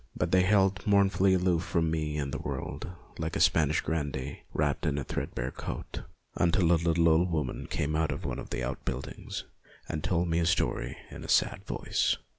But they held mournfully aloof from me and the world, like a Spanish grandee wrapped in a threadbare coat, until a little old woman came out of one of the outbuildings and told me a story in a sad voice.